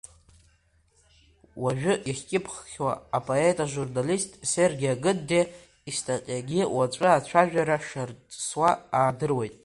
Уажәы иаҳкьыԥхьуа апоет, ажурналист серги Агындиа истатиагьы уаҵәы ацәажәара шарҵысуа аадыруеит.